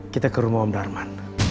kita ke rumah om darman